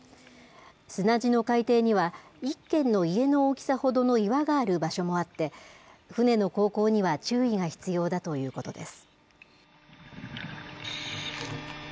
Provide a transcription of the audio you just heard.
砂地の海底には、一軒の家の大きさほどの岩がある場所もあって、船の航行には注意が必要だということです。